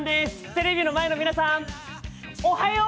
テレビの前の皆さん、おはよう！